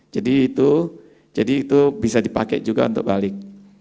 jadi itu bisa dipakai juga untuk balik